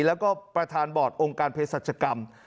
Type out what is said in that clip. แล้วก็ประธานบอร์ดองค์การเพศรัชกรรม